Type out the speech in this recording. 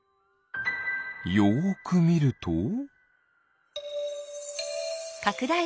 よくみると。